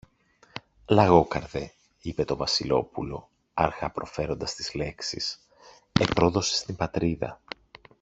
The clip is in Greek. Λαγόκαρδε, είπε το Βασιλόπουλο, αργά προφέροντας τις λέξεις, επρόδωσες την Πατρίδα.